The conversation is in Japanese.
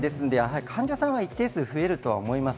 患者さんは一定数、増えると思います。